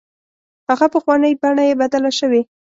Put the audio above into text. هغه پخوانۍ بڼه یې بدله شوې.